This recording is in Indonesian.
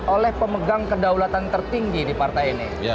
oleh pemegang kedaulatan tertinggi di partai ini